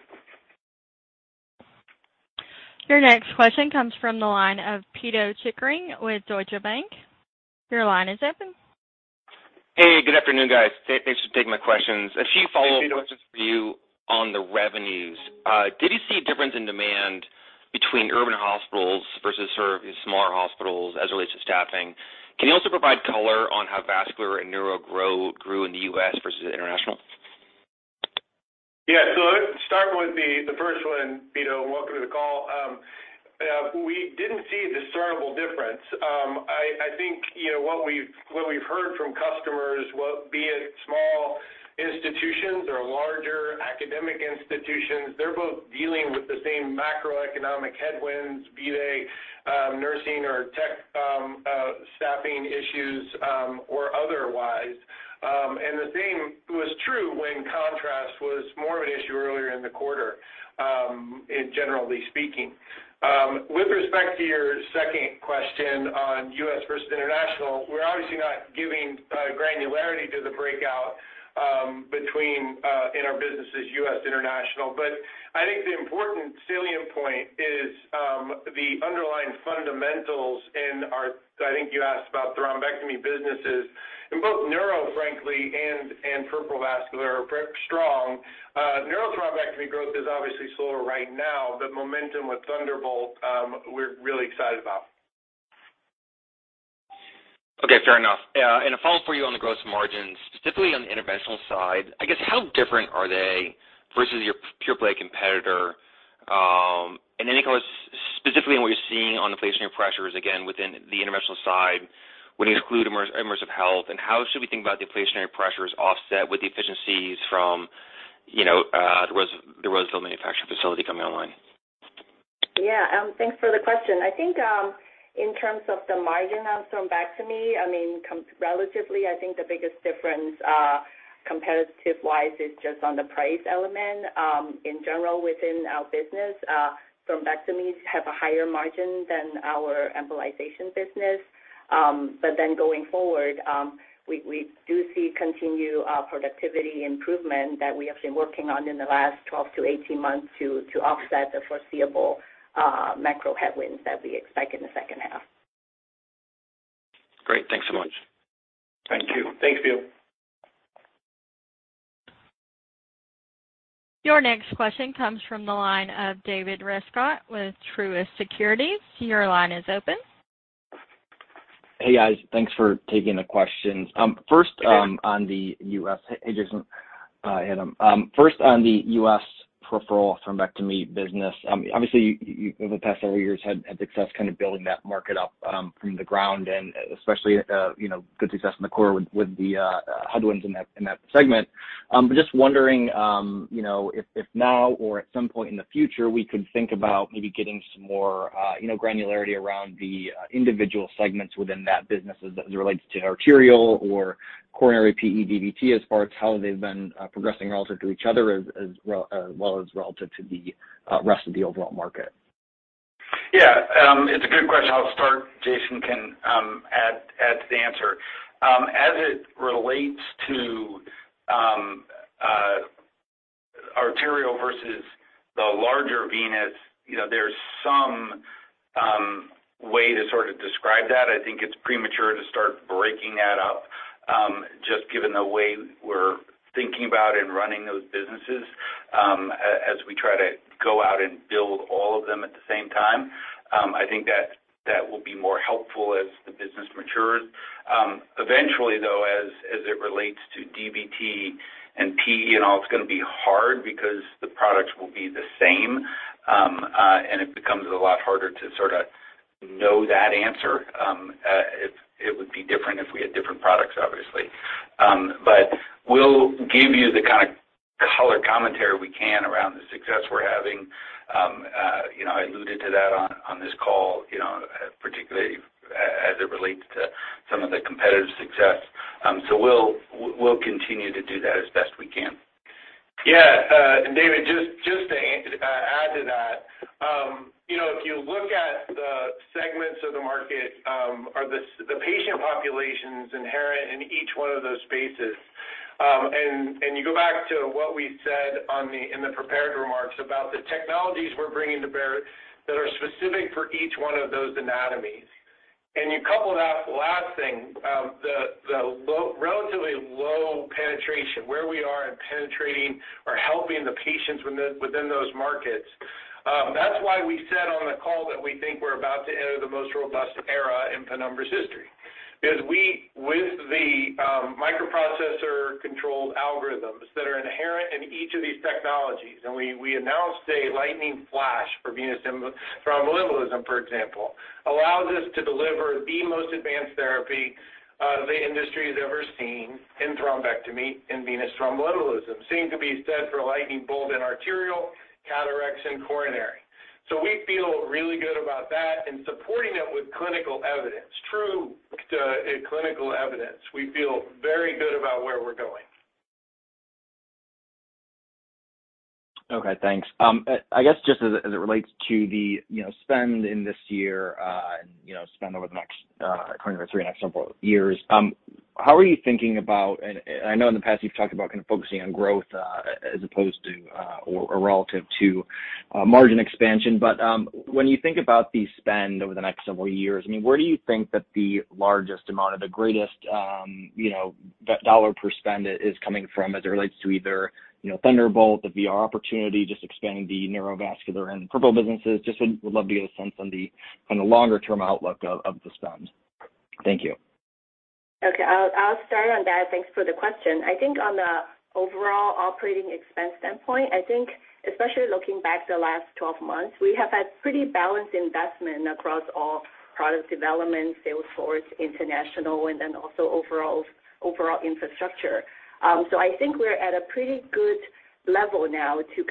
Your next question comes from the line of Pito Chickering with Deutsche Bank. Your line is open. Hey, good afternoon, guys. Thanks for taking my questions. A few follow-up questions for you on the revenues. Did you see a difference in demand between urban hospitals versus sort of smaller hospitals as it relates to staffing? Can you also provide color on how vascular and neuro grew in the US versus international? Let's start with the first one, Pito Chickering, welcome to the call. We didn't see a discernible difference. I think, you know, what we've heard from customers, be it small institutions or larger academic institutions, they're both dealing with the same macroeconomic headwinds, be they nursing or tech staffing issues or otherwise. And the same was true when contrast was more of an issue earlier in the quarter, generally speaking. With respect to your second question on U.S. versus international, we're obviously not giving granularity to the breakout between U.S. and international in our businesses. But I think the important salient point is the underlying fundamentals in our thrombectomy businesses. I think you asked about thrombectomy businesses. In both neuro, frankly, and peripheral vascular, are very strong. Neurothrombectomy growth is obviously slower right now, but momentum with Thunderbolt. We're really excited about. Okay, fair enough. A follow-up for you on the gross margins, specifically on the interventional side. I guess how different are they versus your pure play competitor? Any colors specifically on what you're seeing on inflationary pressures, again, within the interventional side, would include Immersive Health, and how should we think about the inflationary pressures offset with the efficiencies from, you know, the Roseville manufacturing facility coming online? Yeah, thanks for the question. I think, in terms of the margin on thrombectomy, I mean, relatively, I think the biggest difference, competitive-wise is just on the price element. In general, within our business, thrombectomies have a higher margin than our embolization business. Going forward, we do see continued productivity improvement that we have been working on in the last 12-18 months to offset the foreseeable macro headwinds that we expect in the second half. Great. Thanks so much. Thank you. Thanks, Pito. Your next question comes from the line of David Rescott with Truist Securities. Your line is open. Hey, guys. Thanks for taking the questions. Hey, Jason. Adam, first on the U.S. peripheral thrombectomy business, obviously, you over the past several years had success kind of building that market up from the ground, and especially, you know, good success in the quarter with the headwinds in that segment. Just wondering, you know, if now or at some point in the future, we could think about maybe getting some more, you know, granularity around the individual segments within that business as it relates to arterial or coronary PE DVT as far as how they've been progressing relative to each other as well as relative to the rest of the overall market. Yeah, it's a good question. I'll start. Jason can add to the answer. As it relates to arterial versus the larger venous, you know, there's some way to sort of describe that. I think it's premature to start breaking that up just given the way we're thinking about and running those businesses, as we try to go out and build all of them at the same time. I think that will be more helpful as the business matures. Eventually, though, as it relates to DVT and PE, you know, it's gonna be hard because the products will be the same, and it becomes a lot harder to sorta know that answer. It would be different if we had different products, obviously. We'll give you the kind of color commentary we can around the success we're having. You know, I alluded to that on this call, you know, particularly as it relates to some of the competitive success. We'll continue to do that as best we can. Yeah. David, just to add to that, you know, if you look at the segments of the market, or the patient populations inherent in each one of those spaces. You go back to what we said in the prepared remarks about the technologies we're bringing to bear that are specific for each one of those anatomies. You couple that last thing, the relatively low penetration where we are in penetrating or helping the patients within those markets, that's why we said on the call that we think we're about to enter the most robust era in Penumbra's history. With the microprocessor-controlled algorithms that are inherent in each of these technologies, and we announced a Lightning Flash for venous thrombolysis, for example, allows us to deliver the most advanced therapy, the industry has ever seen in thrombectomy, in venous thrombolysis. Same could be said for a Lightning Bolt in arterial, CAT RX in coronary. We feel really good about that and supporting it with clinical evidence, true, clinical evidence. We feel very good about where we're going. Okay, thanks. I guess just as it relates to the, you know, spend in this year, and, you know, spend over the next couple years, how are you thinking about. I know in the past, you've talked about kind of focusing on growth, as opposed to, or relative to, margin expansion. When you think about the spend over the next several years, I mean, where do you think that the largest amount or the greatest, you know, dollar per spend is coming from as it relates to either, you know, Thunderbolt, the VR opportunity, just expanding the neurovascular and peripheral businesses? Just would love to get a sense on the longer term outlook of the spend. Thank you. Okay. I'll start on that. Thanks for the question. I think on the overall operating expense standpoint, I think especially looking back the last 12 months, we have had pretty balanced investment across all product development, sales force, international, and then also overall infrastructure. I think we're at a pretty good level now to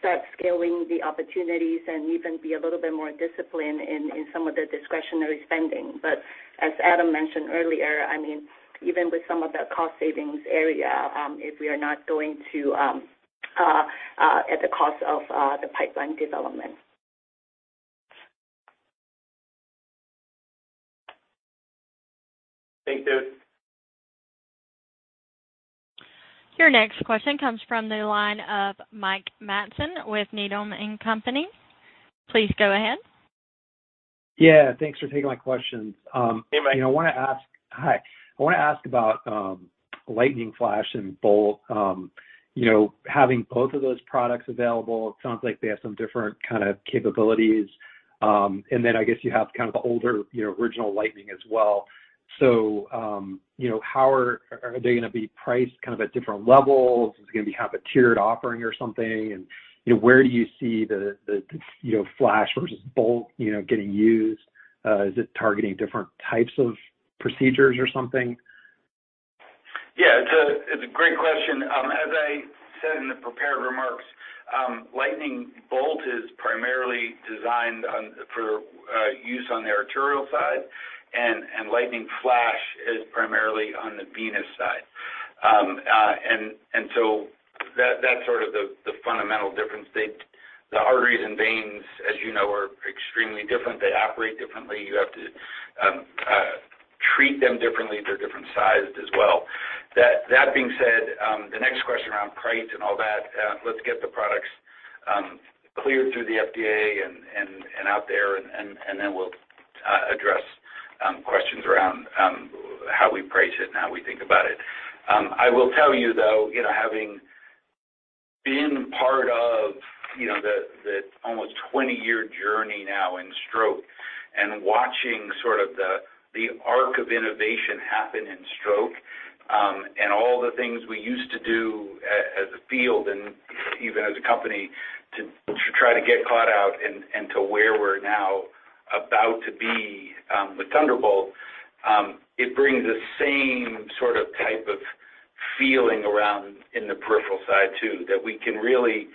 start scaling the opportunities and even be a little bit more disciplined in some of the discretionary spending. As Adam mentioned earlier, I mean, even with some of the cost savings area, if we are not going to at the cost of the pipeline development. Thanks, David. Your next question comes from the line of Mike Matson with Needham & Company. Please go ahead. Yeah, thanks for taking my questions. Hey, Mike. You know, I wanna ask about Lightning Flash and Bolt. You know, having both of those products available, it sounds like they have some different kind of capabilities. I guess you have kind of the older, you know, original Lightning as well. You know, how are they gonna be priced kind of at different levels? Is it gonna be a tiered offering or something? You know, where do you see the Flash versus Bolt getting used? Is it targeting different types of procedures or something? Yeah, it's a great question. As I said in the prepared remarks, Lightning Bolt is primarily designed for use on the arterial side and Lightning Flash is primarily on the venous side. That's sort of the fundamental difference. The arteries and veins, as you know, are extremely different. They operate differently. You have to treat them differently. They're different sized as well. That being said, the next question around price and all that, let's get the products cleared through the FDA and out there and then we'll address questions around how we price it and how we think about it. I will tell you though, you know, having been part of, you know, the almost 20-year journey now in stroke and watching sort of the arc of innovation happen in stroke, and all the things we used to do as a field and even as a company to try to get clot out and to where we're now about to be with Thunderbolt, it brings the same sort of type of feeling around in the peripheral side too, that we can really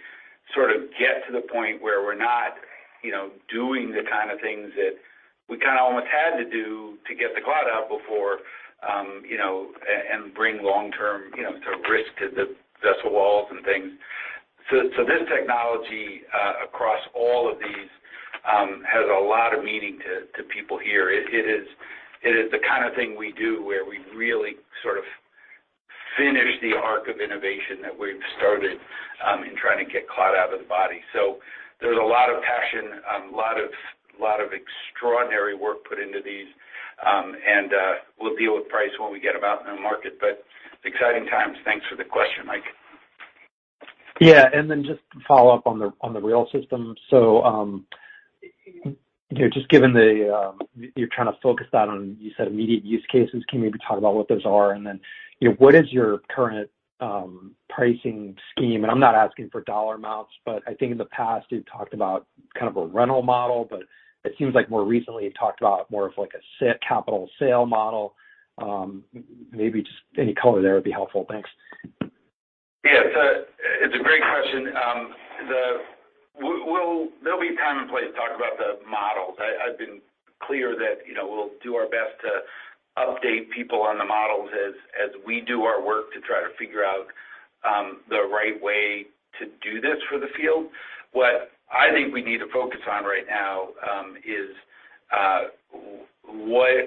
sort of get to the point where we're not, you know, doing the kind of things that we kinda almost had to do to get the clot out before, you know, and bring long-term, you know, sort of risk to the vessel walls and things. This technology across all of these has a lot of meaning to people here. It is the kind of thing we do where we really sort of finish the arc of innovation that we've started in trying to get clot out of the body. There's a lot of passion, a lot of extraordinary work put into these. We'll deal with price when we get them out in the market. Exciting times. Thanks for the question, Mike. Yeah. Then just to follow up on the REAL System. You know, just given the, you're trying to focus that on, you said immediate use cases. Can you maybe talk about what those are? You know, what is your current pricing scheme? I'm not asking for dollar amounts, but I think in the past you've talked about kind of a rental model, but it seems like more recently you talked about more of like a capital sale model. Maybe just any color there would be helpful. Thanks. Yeah. It's a great question. There'll be a time and place to talk about the models. I've been clear that, you know, we'll do our best to update people on the models as we do our work to try to figure out the right way to do this for the field. What I think we need to focus on right now is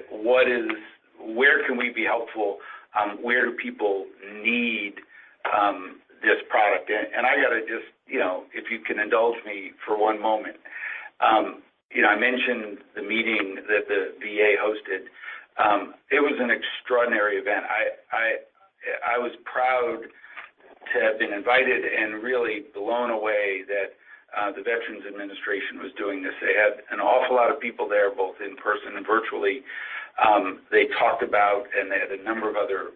where can we be helpful? Where do people need this product? I gotta just, you know, if you can indulge me for one moment. You know, I mentioned the meeting that the VA hosted. It was an extraordinary event. I was proud to have been invited and really blown away that the Veterans Administration was doing this. They had an awful lot of people there, both in person and virtually. They talked about, and they had a number of other,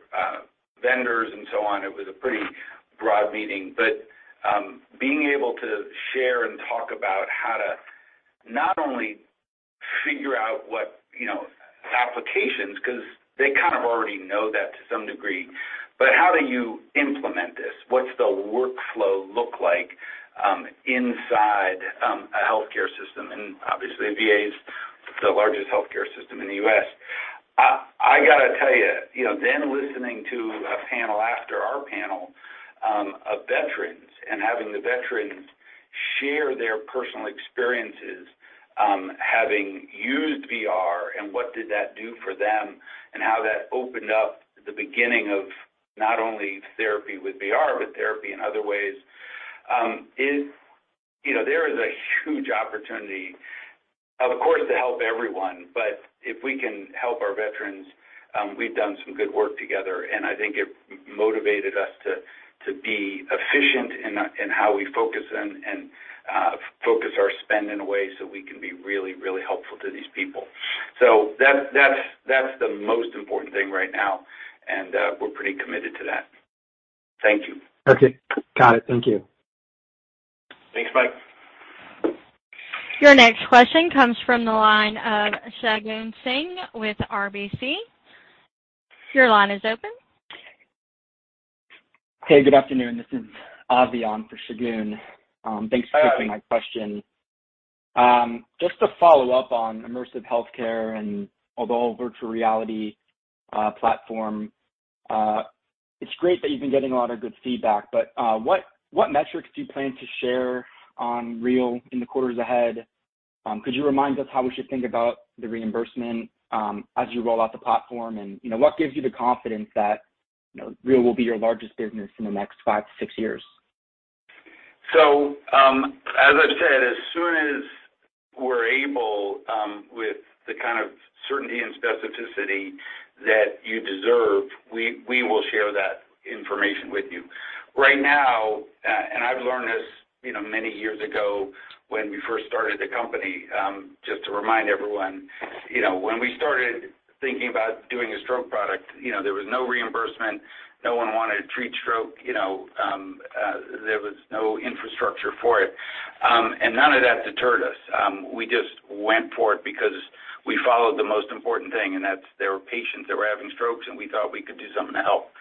vendors and so on. It was a pretty broad meeting. Being able to share and talk about how to not only figure out what, you know, applications, 'cause they kind of already know that to some degree, but how do you implement this? What's the workflow look like, inside, a healthcare system? Obviously, VA is the largest healthcare system in the U.S. I gotta tell you know, then listening to a panel after our panel, of veterans and having the veterans share their personal experiences, having used VR and what did that do for them and how that opened up the beginning of not only therapy with VR, but therapy in other ways, is. You know, there is a huge opportunity, of course, to help everyone, but if we can help our veterans, we've done some good work together, and I think it motivated us to be efficient in how we focus and focus our spend in a way so we can be really, really helpful to these people. So that's the most important thing right now, and we're pretty committed to that. Thank you. Okay. Got it. Thank you. Thanks, Mike. Your next question comes from the line of Shagun Singh with RBC. Your line is open. Hey, good afternoon. This is Avian for Shagun. Thanks for taking my question. Just to follow up on immersive healthcare and our virtual reality platform, it's great that you've been getting a lot of good feedback, but what metrics do you plan to share on REAL in the quarters ahead? Could you remind us how we should think about the reimbursement as you roll out the platform? You know, what gives you the confidence that, you know, REAL will be your largest business in the next 5-6 years? As I've said, as soon as we're able, with the kind of certainty and specificity that you deserve, we will share that information with you. Right now, I've learned this, you know, many years ago when we first started the company, just to remind everyone, you know, when we started thinking about doing a stroke product, you know, there was no reimbursement. No one wanted to treat stroke, you know, there was no infrastructure for it. None of that deterred us. We just went for it because we followed the most important thing, and that's there were patients that were having strokes, and we thought we could do something to help.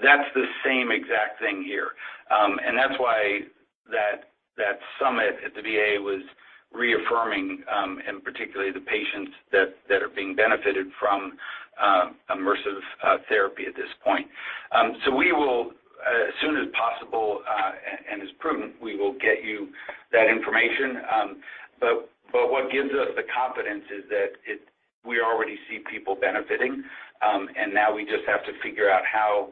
That's the same exact thing here. That's why that summit at the VA was reaffirming, and particularly the patients that are being benefited from immersive therapy at this point. We will, as soon as possible, and as prudent, get you that information. But what gives us the confidence is that we already see people benefiting, and now we just have to figure out how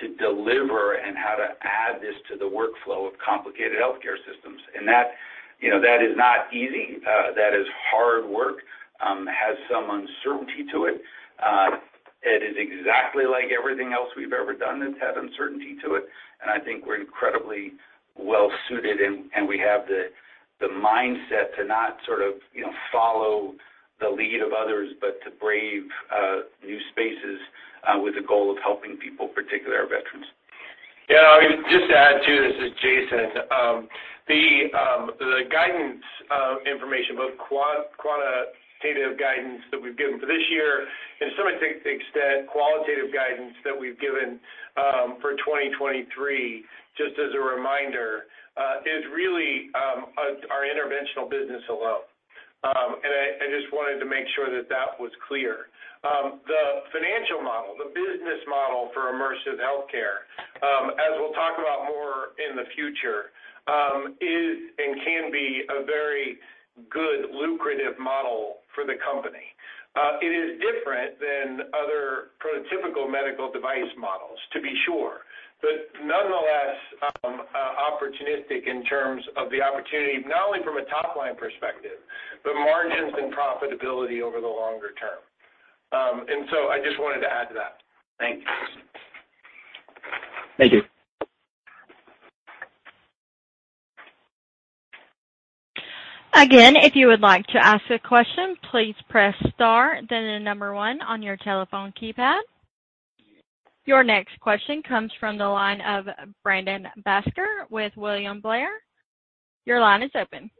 to deliver and how to add this to the workflow of complicated healthcare systems. That, you know, is not easy. That is hard work, has some uncertainty to it. It is exactly like everything else we've ever done that's had uncertainty to it, and I think we're incredibly well suited and we have the mindset to not sort of, you know, follow the lead of others, but to brave new spaces with the goal of helping people, particularly our veterans. Yeah. Just to add to this is Jason. The guidance information, both quantitative guidance that we've given for this year and to some extent qualitative guidance that we've given, for 2023, just as a reminder, is really our interventional business alone. I just wanted to make sure that that was clear. The financial model, the business model for immersive healthcare, as we'll talk about more in the future, is and can be a very good lucrative model for the company. It is different than other prototypical medical device models to be sure, but nonetheless, opportunistic in terms of the opportunity, not only from a top-line perspective, but margins and profitability over the longer term. I just wanted to add to that. Thanks. Thank you. Again, if you would like to ask a question, please press star then the number one on your telephone keypad. Your next question comes from the line of Brandon Vazquez with William Blair. Your line is open.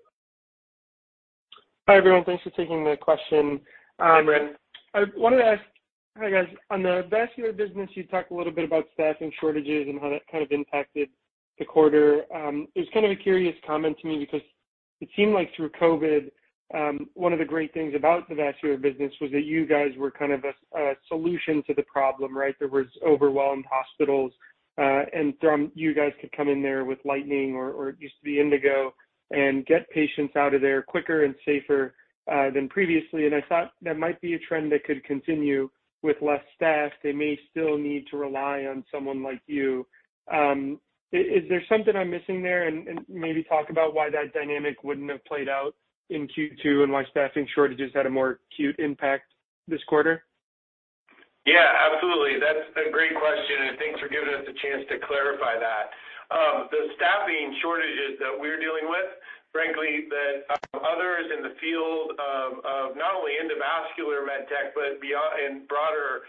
Hi, everyone. Thanks for taking my question. Hi, Brandon. I wanted to ask, hi, guys. On the vascular business, you talked a little bit about staffing shortages and how that kind of impacted the quarter. It was kind of a curious comment to me because It seemed like through COVID, one of the great things about the vascular business was that you guys were kind of a solution to the problem, right? There was overwhelmed hospitals, and then you guys could come in there with Lightning or it used to be Indigo, and get patients out of there quicker and safer, than previously. I thought that might be a trend that could continue with less staff. They may still need to rely on someone like you. Is there something I'm missing there and maybe talk about why that dynamic wouldn't have played out in Q2 and why staffing shortages had a more acute impact this quarter? Yeah, absolutely. That's a great question, and thanks for giving us a chance to clarify that. The staffing shortages that we're dealing with, frankly, the others in the field of not only endovascular med tech, but beyond and broader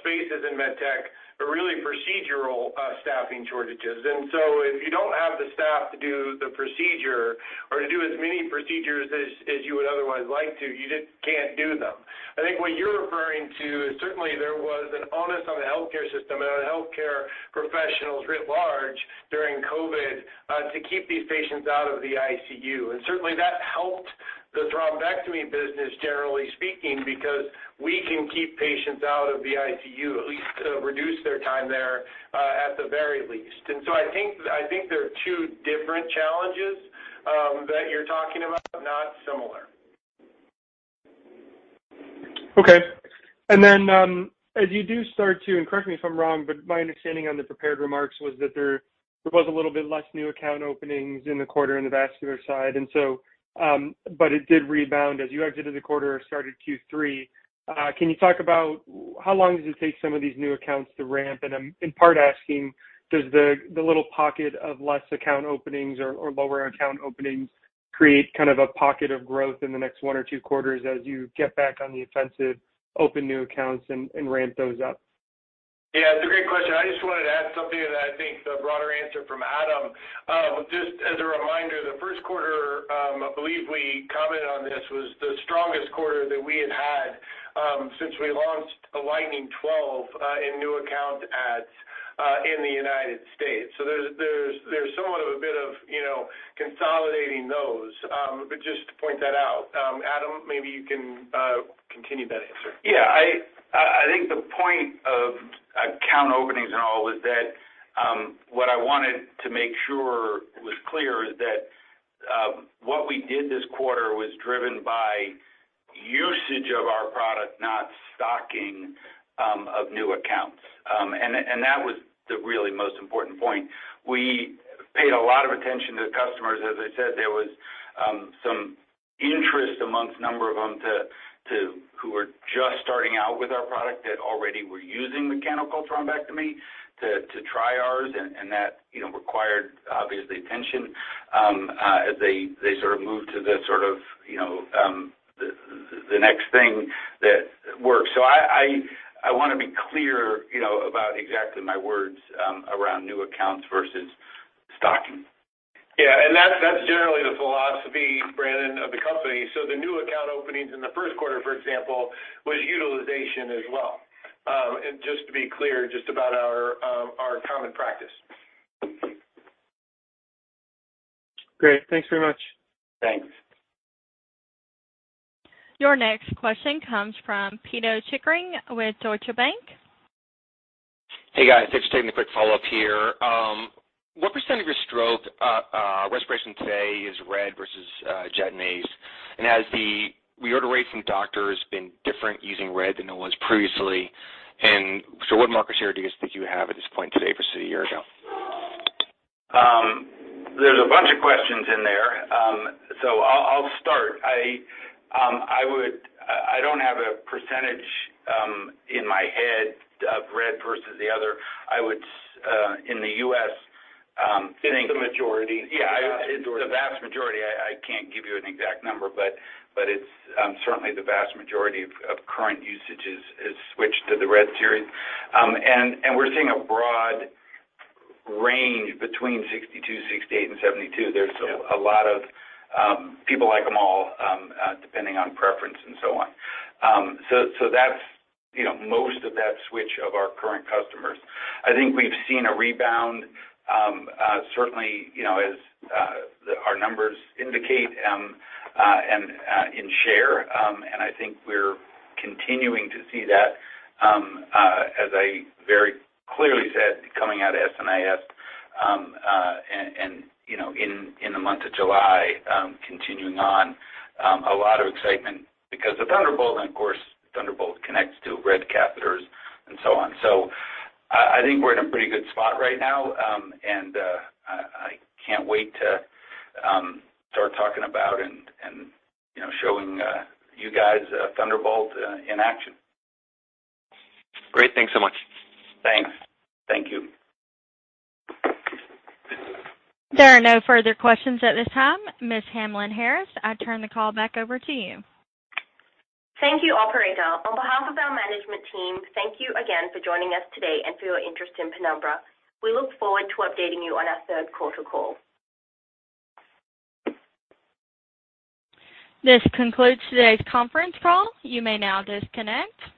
spaces in med tech are really procedural staffing shortages. If you don't have the staff to do the procedure or to do as many procedures as you would otherwise like to, you just can't do them. I think what you're referring to is certainly there was an onus on the healthcare system and on healthcare professionals writ large during COVID to keep these patients out of the ICU. Certainly that helped the thrombectomy business, generally speaking, because we can keep patients out of the ICU, at least reduce their time there, at the very least. I think there are two different challenges that you're talking about, but not similar. Okay. Correct me if I'm wrong, but my understanding on the prepared remarks was that there was a little bit less new account openings in the quarter in the vascular side. It did rebound as you exited the quarter or started Q3. Can you talk about how long does it take some of these new accounts to ramp? I'm in part asking, does the little pocket of less account openings or lower account openings create kind of a pocket of growth in the next one or two quarters as you get back on the offensive, open new accounts and ramp those up? Yeah, it's a great question. I just wanted to add something to that. I think the broader answer from Adam, just as a reminder, the first quarter, I believe we commented on this, was the strongest quarter that we had had, since we launched the Lightning 12, in new account adds, in the United States. So there's somewhat of a bit of, you know, consolidating those. But just to point that out. Adam, maybe you can continue that answer. Yeah, I think the point of account openings and all is that what I wanted to make sure was clear is that what we did this quarter was driven by usage of our product, not stocking of new accounts. That was the really most important point. We paid a lot of attention to the customers. As I said, there was some interest among a number of them to who were just starting out with our product that already were using mechanical thrombectomy to try ours. That, you know, required obviously attention as they sort of moved to the sort of, you know, the next thing that works. I wanna be clear, you know, about exactly my words around new accounts versus stocking. Yeah, that's generally the philosophy, Brandon, of the company. The new account openings in the first quarter, for example, was utilization as well. Just to be clear just about our common practice. Great. Thanks very much. Thanks. Your next question comes from Pito Chickering with Deutsche Bank. Hey, guys. Thanks for taking a quick follow-up here. What % of your stroke reperfusion today is RED versus JET 7? Has the reorder rate from doctors been different using RED than it was previously? What market share do you guys think you have at this point today versus a year ago? There's a bunch of questions in there. I'll start. I don't have a percentage in my head of RED versus the other. I would in the U.S. think- It's the majority. Yeah. It's the majority. It's the vast majority. I can't give you an exact number, but it's certainly the vast majority of current usage is switched to the RED series. We're seeing a broad range between 62%, 68%, and 72%. Yeah. There's a lot of people like them all, depending on preference and so on. That's, you know, most of that switch of our current customers. I think we've seen a rebound, certainly, you know, as our numbers indicate, and in share. I think we're continuing to see that, as I very clearly said coming out of SNIS, and you know, in the month of July, continuing on a lot of excitement because the Thunderbolt and of course Thunderbolt connects to RED catheters and so on. I think we're in a pretty good spot right now. I can't wait to start talking about and you know, showing you guys Thunderbolt in action. Great. Thanks so much. Thanks. Thank you. There are no further questions at this time. Ms. Hamlyn-Harris, I turn the call back over to you. Thank you, operator. On behalf of our management team, thank you again for joining us today and for your interest in Penumbra. We look forward to updating you on our third quarter call. This concludes today's conference call. You may now disconnect.